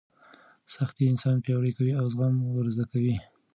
سختۍ انسان پیاوړی کوي او زغم ور زده کوي.